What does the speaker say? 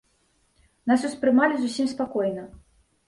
Нас успрымалі зусім спакойна.